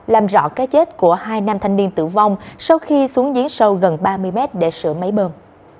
làm rõ cái chết của hai nam thanh niên tử vong sau khi xuống giếng sâu gần ba mươi mét để sửa máy bơm